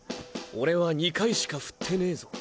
俺は２回しか振ってねえぞ。